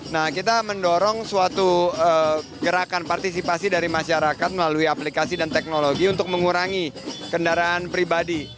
nah kita mendorong suatu gerakan partisipasi dari masyarakat melalui aplikasi dan teknologi untuk mengurangi kendaraan pribadi